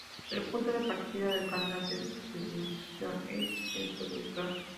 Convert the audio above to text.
El punto de partida del canal de distribución es el productor.